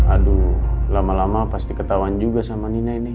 aduh lama lama pasti ketahuan juga sama nina ini